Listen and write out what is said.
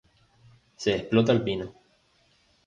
Se explota el pino.